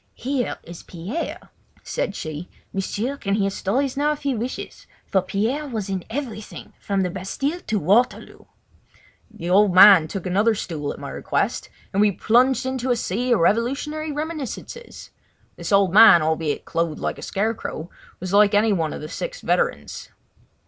"Here is Pierre," said she. "M'sieur can hear stories now if he wishes, for Pierre was in everything, from the Bastille to Waterloo." The old man took another stool at my request and we plunged into a sea of revolutionary reminiscences. This old man, albeit clothed like a scarecrow, was like any one of the six veterans.